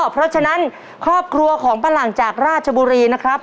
เพราะฉะนั้นครอบครัวของป้าหลังจากราชบุรีนะครับ